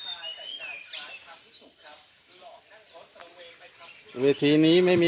เห็นอยู่กันเป็นผู้หญิงคนหนึ่งได้เสริมได้